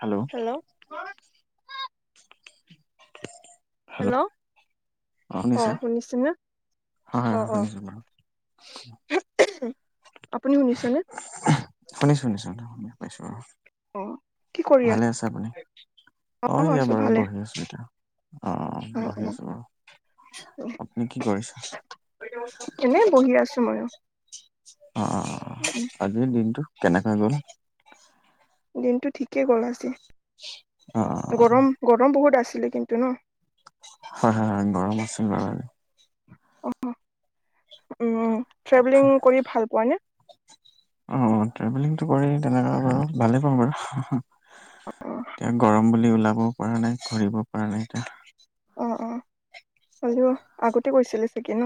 Hello! Hello! Hello! অ শুনিছা হয় হয় অ হয় অ শুনিছো বাৰু। আপুনি শুনিছেনেে? শুনিছো শুনিছো শুনি পাইছো অঁ অ কি কৰি ভালে আছে আপুনি? অ এয়া আছো বাৰু ভালে বহি আছো এতিয়া অঁ অ বহি আছো বাৰু। আপুনি কি কৰিছা? এনেই বহি আছো মইয়ো। অঁ অঁ অঁ। [unintelligible] আজিৰ দিনটো কেনেকৈ গ'ল? দিনটো ঠিকেই গলা আজি। অঁ অঁ অঁ। গৰম-গৰম বহুত আছিলে কিন্তু ন। হয, হয়, হয়, গৰম আছিল বাৰু। উম উম ট্ৰেভেলিং কৰি ভাল পোৱা নে? অঁ অঁ, ট্ৰেভেলিংটো কৰি তেনেকা বাৰু ভালেই পাম বাৰু। অ এতিয়া গৰম বুলি ওলাবও পৰা নাই, ঘূৰিব পৰা নাই এতিয়া। অঁ অঁ হলেও আগতে কৰিছিলে চাগে ন?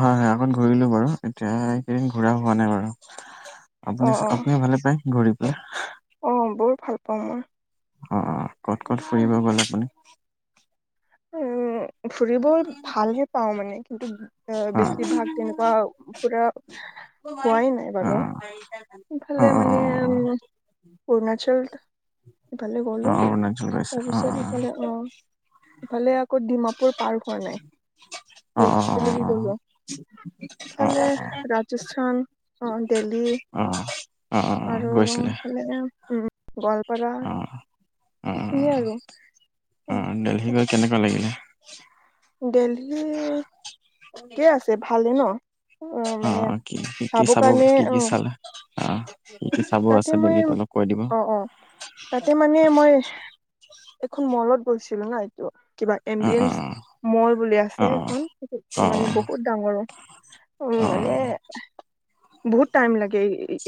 হয়, হয়, আগত ঘূৰিলো বাৰু এতিয়া এইকেইদিন ঘুৰা হোৱা নাই বাৰু। অ আপুনিচ, আপুনিও ভালে পায় ঘূৰি পেলাই। অঁ বৰ ভাল পাওঁ মই। অঁ অঁ ক'ত ক'ত ফুৰিব গ'ল আপুনি? উম ফুৰিব ভাল হে পাওঁ মানে কিন্তু অ বেছিভাগ তেনে বাও ফুৰা হোৱাই নাই বাৰু অঁ' ইফালে মানে অৰুণাচল- ইফালে অ গলো অৰুণাচল গৈছা অ তাৰপিছত ইফালে অঁ' ইফালে আকৌ ডিমাপুৰ পাৰ হোৱা নাই অ অ অ ডিমাপুৰ গলো অঁ। অ অ অ ভালে ৰাজস্থান অ দিল্লী। অ অ অ আৰু গৈছিলে ইফালে গোৱালপাৰা অ এইখিনিয়ে আৰু। অ অঁ দিল্লী গৈ কেনেকুৱা লাগিলে? দিল্লী ঠিকে আছে ভালে ন অ মানে, কি কি চাব কাৰণে কি অ কি চালে অ কি কি চাব তাতে আছে মই দিল্লীত অলপ কৈ দিবা। অ অ তাতে মানে মই এখন মলত গৈছিলো না- ত কিবা অ অ এম্বিয়েঞ্চ মল বুলি আছে অ অ সেইখন অ মানে বহুত- বহুত ডাঙৰো উ অ মানে, বহুত টাইম লাগে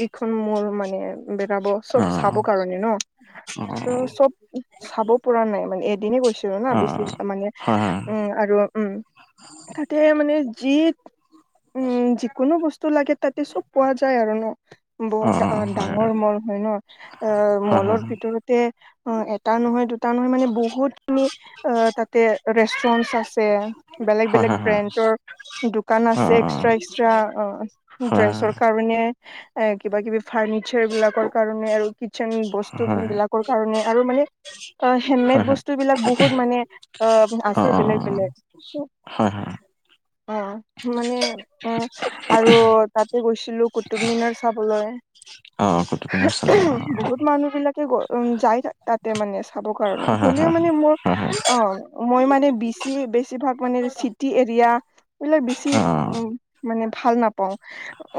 এইখন মল মানে, বেৰাব অ অ চব অ অ চাব কাৰণে ন ত চব- চাব পৰা নাই মানে এদিনে গৈছিলো ন বিশ ত্ৰিশটা মানে হয় হয় উম আৰু, উম' তাতে মানে যি- উম যিকোনো বস্তু লাগে তাতে চব পোৱা যায় আৰু ন বহুত ডা- অ ডাঙৰ মল হয় ন এ হয় মলৰ ভিতৰতে- অ এটা নহয় দুটা নহয় মানে বহুত খিনি তাতে ৰেষ্টুৰেণ্ট- আছে বেলেগ বেলেগ হয় ব্ৰেণ্ডৰ। দোকান হয় হয় হয় অ আছে অ এক্সট্ৰা এক্সট্ৰা অ হয় ড্ৰেছৰ কাৰণে এ কিবা কিবি। ফাৰ্ণিচাৰ বিলাকৰ কাৰণে আৰু কিটচেন বস্তু হয় হয় বিলাকৰ কাৰণে আৰু মানে, অ হেণ্ডমেড হয় হয় বস্তু বিলাক বহুত মানে অ অ আছে অ বেলেগ- বেলেগ হয় হয় অ মানে উম, আৰু তাতে গৈছিলো কুতুব মিনাৰ চাবলৈ। অ কুতুব মিনাৰ চালে অ। বহুত মানুহ বিলাকে গৈ যায় তাতে মানে চাব কাৰণে হয় হয় হ'লেও মানে মোৰ, হয় হয় হয় অ মই মানে বেছি বেছিভাগ মানে চিটি এৰিয়া- এইবিলাক বেছি অ উ মানে ভাল নাপাওঁ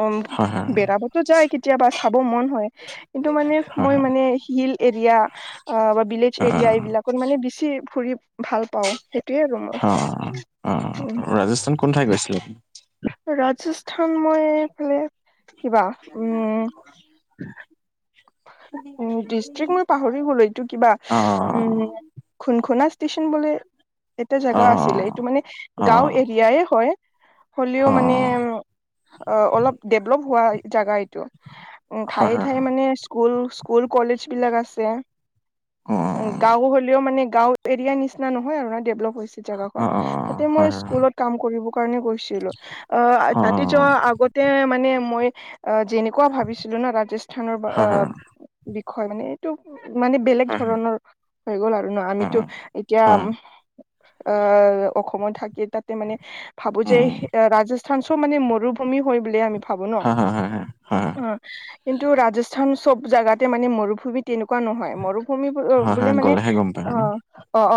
উ হয় হয় বেৰাবতো যায়। কিন- চাব মন হয়, কিন্তু মানে হয় মই হয় মানে হিল এৰিয়া আ বা বিলেজ অ এৰিয়া- বিলাকত মানে বেছি ফুৰি ভাল পাও সেইটোয়ে আৰু মোৰ। অ'অ', অ'অ', উম ৰাজস্থান কোন ঠাই গৈছিলে? ৰাজস্থান মই ফালে- কিবা উম, উ ডিষ্ট্ৰিক্ট মই পাহৰি গলো এইটো কিবা অ উম, খুন খুনা ষ্টেচন বুলি এটা অ জেগা আছিলে এইটো মানে অ গাঁও এৰিয়াই হয়। হ'লেও অ মানে অলপ ডেভলপ হোৱা জাগা এইটো। উ হয় ঠায়ে ঠায়ে হয় মানে স্কুল স্কুল কলেজ বিলাক আছে। অ গাঁও হ'লেও মানে গাওঁ এৰিয়াৰ নিচিনা নহয় আৰু ন ডেভলপ হৈছে। জেগা অ অ খন তাতে মই হয় হয় স্কুলত- কাম কৰিব কাৰণে গৈছিলো। অ তাতে যোৱা আগতে মানে মই যেনে- কোৱা ভাবিছিলো ন ৰাজস্থানৰ বা হয় হয় বিষয় মানে এইটো মানে, বেলেগ হয় হয় ধৰণৰ হৈ গ'ল আৰু ন অ আমিতো এতিয়া হয় উম, আহ অসমত থাকে তাতে মানে, ভাবো যে উম এ ৰাজস্থান চব মানে মৰুভূমি হয় বুলি আমি ভাবো ন। হয় হয় হয় হয় হয় অ কিন্তু ৰাজস্থান চব জোগাতে মানে মৰুভূমি তেনেকুৱা নহয় মৰু- ভূমি বোলো হয় বুলি হয় মানে- গ'লেহে গম পায় আৰু অ'অ ন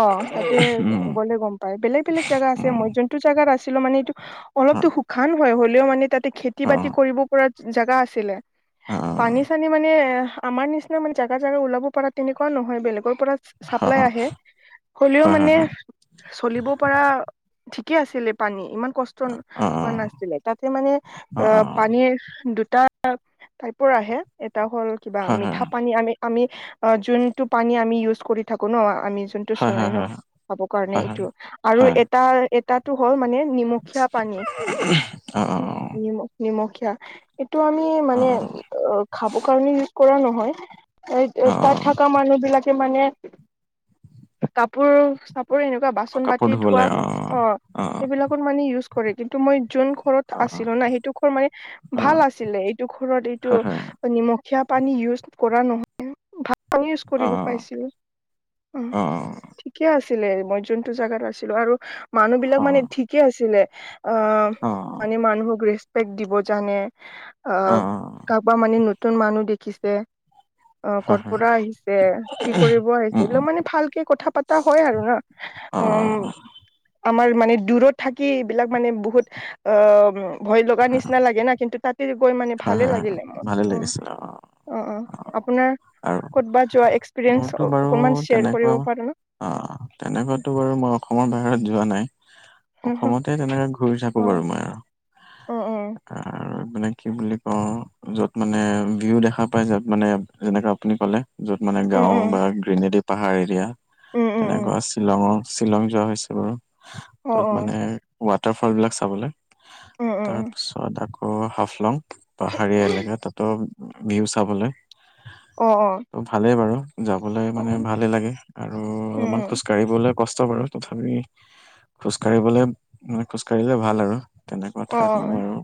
অ তাতে উম গলে গম পায় বেলেগ বেলেগ জাগা আছে উম মই যোন- টো জাগাত আছিলো মানে এইটো অ অলপতো শুশান হয় হ'লেও মানে তাতে খেতি অ বাতি কৰিব- পুৰা জোগা আছিলে অ পানী চানী মানে এ আমাৰ নিচিনা মানে জাগা জাগা ওলাব পৰা তেনেকুৱা নহয় বেলেগৰ পৰা চাপ্লাই আহে, হ'লেও হয় হয় মানে হয় চলিব পৰা ঠিকে আছিলে পানী ইমান কষ্ট অ হোৱা অ নাছিলে তাতে মানে অ পানীৰ দুটা [unintelligible] পাইপৰ আহে এটা হ'ল কিবা হয় হয় মিঠা পানী আমি আমি অ যোনটো পানী আমি ইউজ কৰি থাকো ন আমি যোন হয় চলাই হয় ন হয় খাব কাৰণে হয় হয় এইটো, আৰু হয় এটা এটাটো হ'ল মানে নিমখীয়া [unintelligible] অ অ অ। নিম নিমখীয়া এইটো আমি অ মানে অ খাব কাৰণে ইউজ কৰা নহয়। এই অ অ তাত থকা মানুহ বিলাকে মানে কাপোৰ চাপোৰ এনেক কোৱা অ বাচন কাপোৰ বাতি ধোৱা ধুবলৈ অ সেইবিলাকত মানে ইউজ কৰে। কিন্তু মই যোন ঘৰত অ আছিলো না সেইটো ঘৰ মানে অ ভাল আছিলে, এইটো ঘৰত এইটো হয় হয় নিমখীয়া পানী ইউজ কৰা নহয় ভাল পানী ইউজ অ কৰিব পাইছিলো অ। কে আছিলে মই যোনটো জোগাত আছিলো, আৰু মানুহ বিলাক মানে ঠিকে আছিলে অ অঁ। মানে মানুহক ৰেচপেক্ট দিব জানে। অ আহ কাৰোবাক মানে নতুন মানুহ দেখিছে অ হয় কৰ হয় পৰা আহিছে? কি কৰিব আহিছে? উম এইবিলাক উম মানে ভালকে কথা পতা হয় আৰু ন। অ উম আমাৰ মানে দূৰত থাকি এইবিলাক মানে বহুত অ ভয় লগা নিচিনা লাগে না কিন্তু তাতে গৈ মানে হয় ভালে হয় লাগিলে মোৰ ভালে অ। লাগিছিলে অ অ আপোনাৰ আৰু ক'তবা যোৱা মোৰতো এক্সপিৰিয়েঞ্চ বাৰু অকনমান শ্বেয়াৰ তেনেকুৱা কৰিব পাৰো ন? অ তেনেকৈটো বাৰু মই অসমৰ বাহিৰত যোৱা নাই। অসমতে তেনেকে ঘূৰি থাকো অ বাৰু মই আৰু অ অ এ কি বুলি কওঁ, য'ত মানে ভিউ দেখা পায় যত মানে যেনেকৈ আপুনি ক'লে। য'ত মানে উম গাঁও উম বা গ্ৰীনেৰী পাহাৰ এৰিয়া উম উম উম তেনেকুৱা শ্বিলঙৰ শ্বিলং যোৱা হৈছে বাৰু, অ তাত অ মানে ৱাটাৰফল বিলাক চাবলে। উম উম তাৰপিছত আকৌ হাফলং পাহাৰীয়া এলেকা তাতো ভিউ চাবলৈ। অ অ। ত' ভালেই বাৰু যাবলৈ অ মানে ভালেই লাগে, আৰু উম অলপমান উম খোজ কাঢ়িবলৈ কষ্ট বাৰু তথাপি খোজ কঢ়িবলে নহয় খোজকাঢ়িলে ভাল আৰু। তেনেকুৱা অ ঠাইত অ মানে আৰু।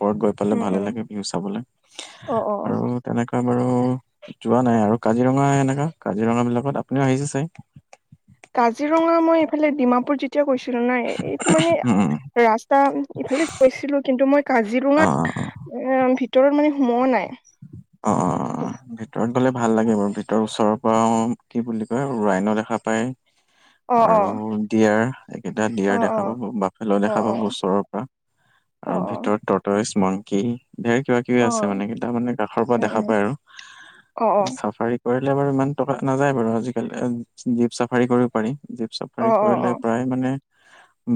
ওপৰত গৈ পালে উম ভালে উম লাগে ভিউ চাবলে, অ অ আৰু তেনেকুৱা বাৰু যোৱা নাই আৰু, কাজিৰঙা এনেকা কাজিৰঙা বিলাকত আপুনিও আহিছে চাগে? কাজিৰঙা মই এইফালে ডিমাপুৰ যেতিয়া গৈছিলো নাই এইটো মানে উম ৰাস তা ইফালে গৈছিলোঁ কিন্তু মই অ অ কাজিৰঙাত অ এ ভিতৰত মানে সোমোৱা নাই। অ অ অ অ। ভিতৰত গ'লে ভাল লাগে বাৰু ভিতৰৰ ওচৰৰ পৰা কি বুলি কয় ৰাইন দেখা পায়। [inaudible] আৰু দিয়াৰ এইকেইটা দিয়াৰ দেখা পাব, বাফেল্লো দেখা পাব ওচৰৰ আৰু ভিতৰত তটৰেছ, মংকি ধেৰ কিবা কিবি আছে মানে কি তাৰমানে ৰ পৰা দেখা পাই আৰু [inaudible] চাফাৰী কৰিলে বাৰু ইমান টকা নাযায় বাৰু, আজিকালি জীপ চাফাৰী কৰিব পাৰি জীপ চাফ হেৰি কৰিলে প্ৰায় মানে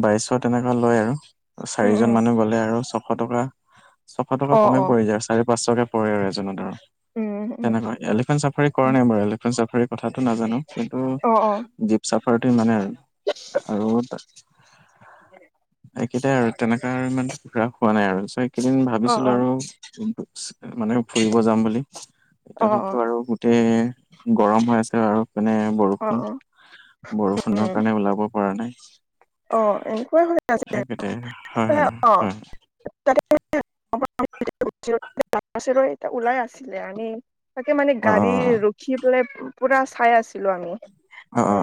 বাইশ তেনেকোৱা লয় আৰু চাৰিজন মানুহ গলে আৰু ছশ টকা ছশ টকা কমে পৰি যায় চাৰি পাঁচশকে পৰে আৰু এজনত আৰু তেনেকোৱা এলিফেন্ট চা চাফাৰী কৰা নাই বাৰু এলিফেণ্ট চাফাৰীৰ কথাটো নাজানো কিন্তু জীপ চাফাৰীটো ইমানেই আৰু একেইটাই আৰু তেনেকা আৰু ইমানে ঘুৰা হোৱা নাই আৰু চাই এদিন ভাবিছিলো আৰু মানে ফুৰিব যাম বুলি এতিয়াতোতো আৰু তে গৰম হৈ আছে আৰু মানে বৰষুণ বৰষুণৰ কাৰণে ওলাব পৰা নাই অ এনেকোৱা হৈ আছে সেইকেইটাই হয় আৰু অ হয় তাতে ওলাই আছিলে আমি তাকে মানে হয় অ গাড়ী অ ৰখি পেলাই পুৰা চাই আছিলো আমি অ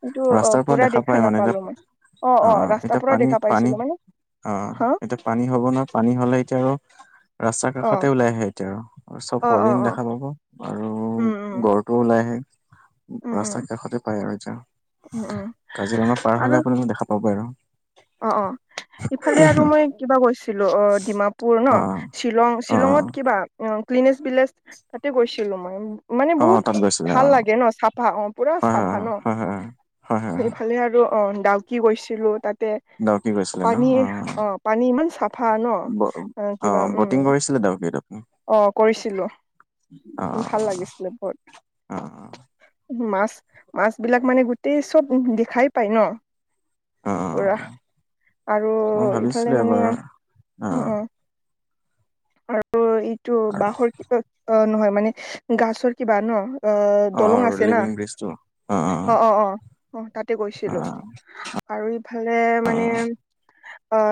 কিন্তু অ ৰাস্তাৰ পৰা পুৰা দে দেখা খা পায় মানে এতিয়া নাপালো মই অ অ এতিয়া ৰাস্তাৰ পৰা পানী দেখা পানী পাইছিলো মানে অ' হা এতিয়া পানী হ'ব নহয় পানী হ'লে এতিয়া আৰু ৰাস্তাৰ অ কাষতে ওলাই আহে এতিয়া আৰু চব অ অ হৰিন অ দেখা পাব আৰু উম উম গড়টো ওলাই আহে উম উম ৰাস্তা কাষতে পায় আৰু উম এতিয়া উম কাজিৰঙা পাৰ আৰু হলে আপুনি দেখা পাবই আৰু অ অ ইফালে আৰু মই কিবা গৈছিলো অ ডিমাপুৰ ন অ' শ্বিলং অ' অ' শ্বিলঙত কিবা অ ক্লিনেছ বিলেজ তাতে গৈছিলো মই উম মানে অ' অ' বহুত তাত গৈছিলে ভাল অ' লাগে ন চাফা অ পুৰা হয় হয় চাফা ন হয় হয় হয় হয় হয় সিফালে আৰু অ ডাউকি গৈছিলো তাতে ডাউকি গৈছিলে ন পানীৰ অ পানী ইমান চাফা ন অ কিবা উম বটিং কৰিছিলে ডাউকিত আপুনি অ কৰিছিলো ভাল অ' লাগিছিলে বহুত অ' অ' মাছ মাছ বিলাক মানে গোটেই চব দেখাই পায় ন অ' পুৰা অ' আৰু মই ইফালে ভাবিছিলোঁ মানে এবাৰ উ উ অ' আৰু এইটো বাঁহৰ কিবা অ নহয় মানে গছৰ কিবা ন অহ অ দলং অ আছে না লিভিং ব্ৰিজটো অ অ অ অ তাতে অ গৈছিলো আৰু ইফালে অ অ মানে অ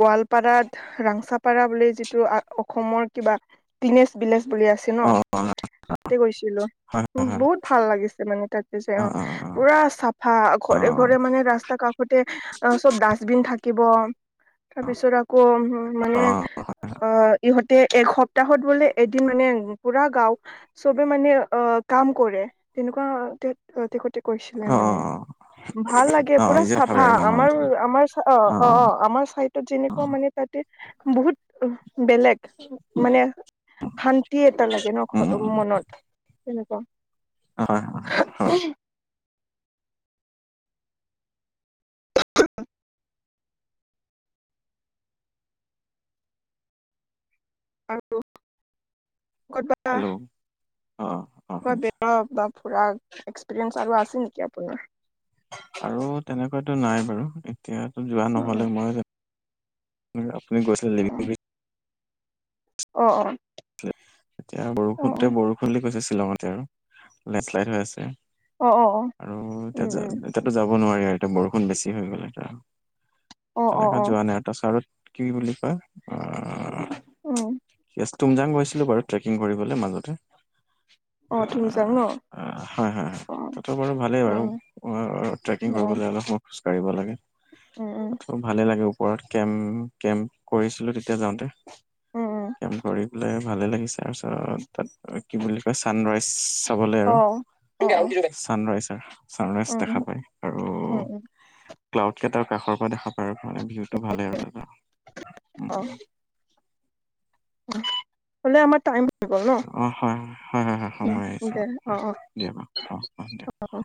গোৱালপাৰাত ৰাংচাপাৰা বুলি যিটো আ অসমৰ কিবা পিনেজ বিলেজ বুলি আছে ন অ অ তাতে গৈছিলো হয় হয় হয় বহুত ভাল লাগিছে মানে তাতে যাই অ পুৰা চাফা অ অ ঘৰে ঘৰে মানে ৰাস্তা কাষতে অ চব ডাষ্ট বিন থাকিব তাৰপিছত আকৌ উ মানে অ ইহঁতে এসপ্তাহত বোলে এদিন মানে পুৰা গাও চবে মানে আহ কাম কৰে তেনেকোৱা তেখতে কৈছিলে অ অ মানে ভাল লাগে অ পুৰা নিজে ভাবে চাফা আৰু গম আমাৰ নাপাইছো আমাৰ চ অ অ অ আমাৰ চাই টো অ যেনেকোৱা মানে তাতে বহুত বেলেগ মানে শান্তি এটা লাগে ন উম উম মনত তেনেকোৱা হয় হয় অ [unintelligible] আৰু কতবা হেল্ল' অ অ কত শুনিছো গেটত বা ফুৰা এক্সপিৰিয়েঞ্চ আৰু আছে নেকি আপোনাৰ আৰু তেনেকোৱাতো নাই বাৰু এতিয়াতো যোৱা অ নহলে মই যে আপুনি গৈছিল অ অ। এতিয়া বৰষুণতে অ বৰষুণ বুলি কৈছে শ্বিলঙতে আৰু লেন্স শ্লাইড হৈ আছে। অ অ অ আৰু উম এতিয়া উম এতিয়াতো যাব নোৱাৰি আৰু এতিয়া বৰষুণ বেছি হৈ গ'ল আৰু। অ অ তেনেকা অ যোৱা নাই আৰু তাৰপাছত কি বুলি কয় অ উম। ঠিক আছে তুমজাং গছিলো বাৰু ট্ৰেকিং কৰিবলৈ মাজতে। অ তুম আহ হয় হয় হয় তাতো বাৰু ভালেই অ বাৰু ট্ৰেকিং অ কৰিবলৈ অলপ খোজ কঢ়িব লাগে। উম উম। ত' ভালে লাগে ওপৰত কেম্প কেম্প কৰিছিলো তেতিয়া যাওঁতে। উম কেম্প কৰি পেলাই ভালে লাগিছে তাৰপিছত তাত কি বুলি কয় ছানৰাইজ চাবলৈ আৰু। চানৰাইজ হয় চানৰাইজ উম দেখা পায় আৰু উম ক্লাউড কেইটাৰ কাষৰ পৰা দেখা পায় আৰু মানে ভিউটো ভালে আৰু তাত আৰু। হলেও আমাৰ টাইম হৈ গ'ল ন অ হয় হয় হয় হয় হয় সময় উম আহিছো দে অ হয় দিয়ক অ অ অ দিয়ক। অ।